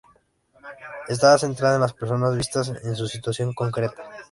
Está centrada en las personas, vistas en su situación concreta.